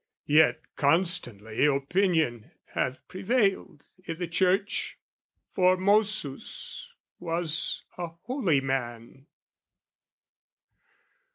"Yet constantly opinion hath prevailed "I' the Church, Formosus was a holy man."